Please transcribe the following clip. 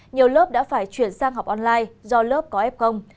nhiều lớp đã phải chuyển sang học online do lớp có ép công